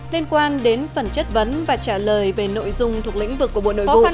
liên quan đến phần chất vấn và trả lời về nội dung thuộc lĩnh vực của bộ nội vụ